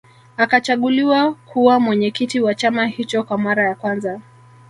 Akachaguliwa kuwa mwenyekiti wa chama hicho kwa mara ya kwanza